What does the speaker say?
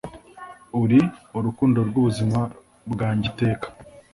Uri urukundo rwubuzima bwanjye iteka